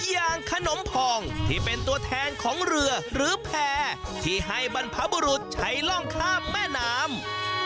อย่างขนมพองที่เป็นตัวแทนของเรือหรือแพร่ที่ให้บรรพบุรุษใช้ร่องข้ามแม่น้ำ